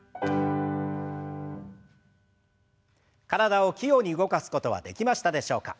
体を器用に動かすことはできましたでしょうか。